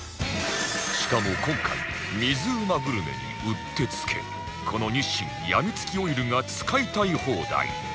しかも今回水うまグルメにうってつけこの日清やみつきオイルが使いたい放題